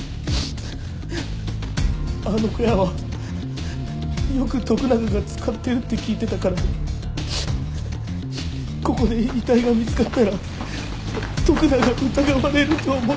あの小屋はよく徳永が使ってるって聞いてたからここで遺体が見つかったら徳永が疑われると思って。